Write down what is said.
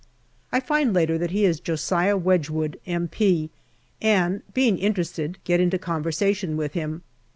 I find later that he is Josiah Wedgwood, M.P., and being interested/get into conversation with him.